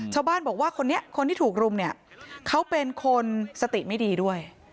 ชาวบ้านบอกว่าคนนี้คนที่ถูกรุมเนี่ยเขาเป็นคนสติไม่ดีด้วย